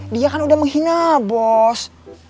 dia kan udah menghina bos